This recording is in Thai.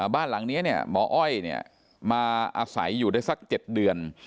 บ้านหลังเนี้ยเนี้ยหมออ้อยเนี้ยมาอาศัยอยู่ได้สักเจ็ดเดือน